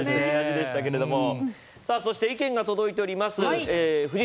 意見が届いております。